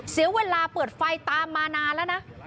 เสียเวลาเปิดไฟตามมานานแล้วนะ